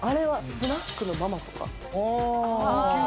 スナックのママとか？